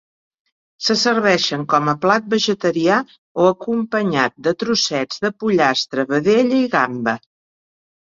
Se serveixen com a plat vegetarià o acompanyat de trossets de pollastre, vedella i gamba.